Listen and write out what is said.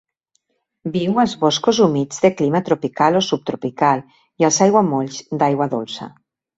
Viu als boscos humits de clima tropical o subtropical i als aiguamolls d'aigua dolça.